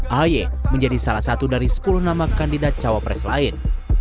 ahy menjadi salah satu dari sepuluh nama kandidat cawapres lain